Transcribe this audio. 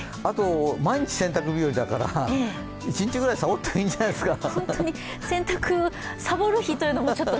毎日洗濯日和だから１日ぐらいサボってもいいんじゃないですか。